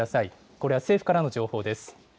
これは政府からの情報です。